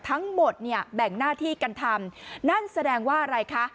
ทั้งหมดเนี่ยแบ่งหน้าที่กันทำนั่นแสดงว่าอะไรคะ